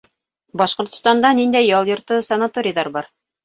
Башҡортостанда ниндәй ял йорто, санаторийҙар бар?